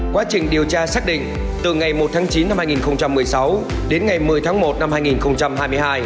quá trình điều tra xác định từ ngày một tháng chín năm hai nghìn một mươi sáu đến ngày một mươi tháng một năm hai nghìn hai mươi hai